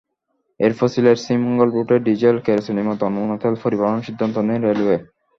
এরপরই সিলেট-শ্রীমঙ্গল রুটে ডিজেল, কেরোসিনের মতো অন্যান্য তেল পরিবহনের সিদ্ধান্ত নেয় রেলওয়ে।